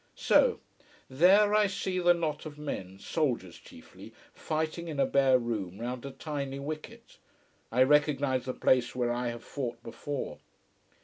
So there, I see the knot of men, soldiers chiefly, fighting in a bare room round a tiny wicket. I recognise the place where I have fought before.